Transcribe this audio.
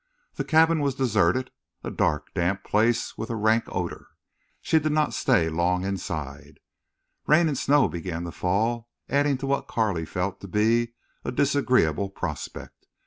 The cabin was deserted, a dark, damp place with a rank odor. She did not stay long inside. Rain and snow began to fall, adding to what Carley felt to be a disagreeable prospect.